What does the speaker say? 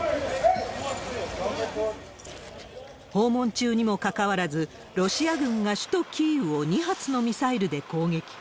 訪問中にもかかわらず、ロシア軍が首都キーウを２発のミサイルで攻撃。